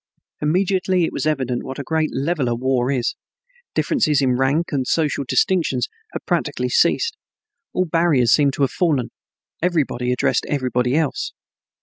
Immediately it was evident what a great leveler war is. Differences in rank and social distinctions had practically ceased. All barriers seemed to have fallen; everybody addressed everybody else.